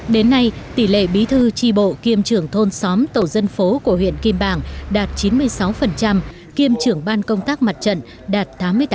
đến nay tỷ lệ bí thư tri bộ kiêm trưởng thôn xóm tổ dân phố của huyện kim bảng đạt chín mươi sáu kiêm trưởng ban công tác mặt trận đạt tám mươi tám